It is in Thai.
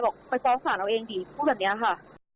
ไปฟ้องศาลเอาเองดิพูดแบบนี้ค่ะ